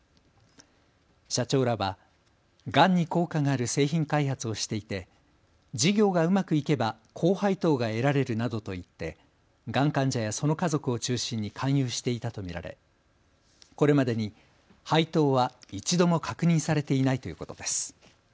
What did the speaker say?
社長らはがんに効果がある製品開発をしていて、事業がうまくいけば高配当が得られるなどと言ってがん患者やその家族を中心に勧誘していたと見られこれまでに配当は一度も確認されていないということです。